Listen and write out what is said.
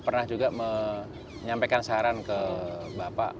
pernah juga menyampaikan saran ke bapak